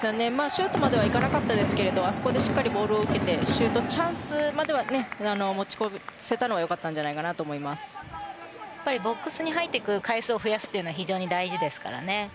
シュートまでは行かなかったですけれどあそこでボールを受けてシュートチャンスまで持ち込ませたのは良かったんじゃないかなとボックスに入っていく回数を増やすのは非常に大事ですからね。